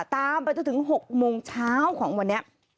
ตามไปจนถึง๖โมงเช้าของวันนี้